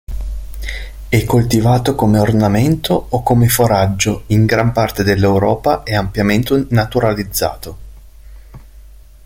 È coltivato come ornamento o come foraggio in gran parte dell'Europa e ampiamente naturalizzato.